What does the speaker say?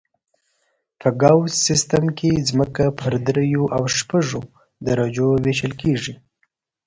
په ګوس سیستم کې ځمکه په دریو او شپږو درجو ویشل کیږي